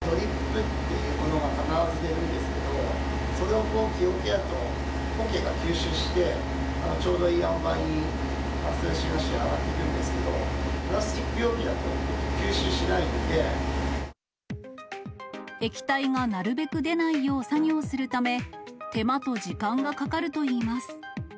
ドリップというものは必ず出るんですけど、それを木おけだとおけが吸収して、ちょうどいいあんばいに、ますずしが仕上がってくるんですけど、プラスチック容器だと吸収液体がなるべく出ないよう作業するため、手間と時間がかかるといいます。